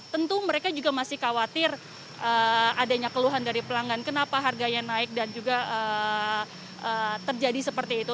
tentu mereka juga masih khawatir adanya keluhan dari pelanggan kenapa harganya naik dan juga terjadi seperti itu